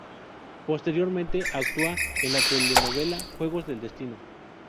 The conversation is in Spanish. Posteriormente actúa en la telenovela "Juegos del destino".